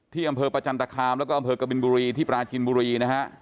อำเภอประจันตคามแล้วก็อำเภอกบินบุรีที่ปราจินบุรีนะฮะ